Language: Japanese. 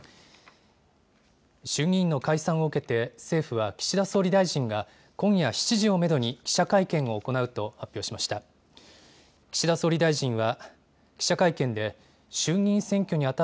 衆議院の解散を受けて、政府は岸田総理大臣が、今夜７時をメドに、記者会見を行うと発表しました。